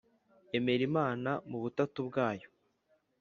emera imana mu butatu bwayo